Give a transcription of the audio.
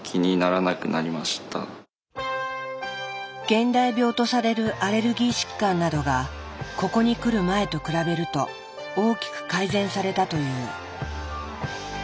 現代病とされるアレルギー疾患などがここに来る前と比べると大きく改善されたという。